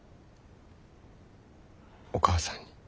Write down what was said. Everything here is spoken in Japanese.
お母さんに。